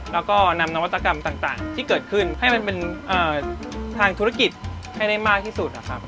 แล้วก็นำนวัตกรรมต่างที่เกิดขึ้นให้มันเป็นทางธุรกิจให้ได้มากที่สุดนะครับ